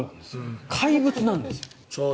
怪物なんですよ。